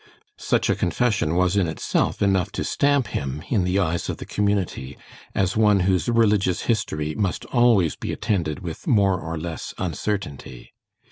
Such a confession was in itself enough to stamp him, in the eyes of the community, as one whose religious history must always be attended with more or less uncertainty.